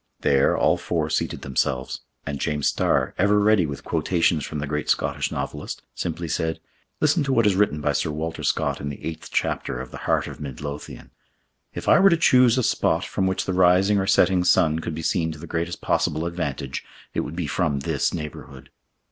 There, all four seated themselves; and James Starr, ever ready with quotations from the great Scottish novelist, simply said, "Listen to what is written by Sir Walter Scott in the eighth chapter of the Heart of Mid Lothian. 'If I were to choose a spot from which the rising or setting sun could be seen to the greatest possible advantage, it would be from this neighborhood.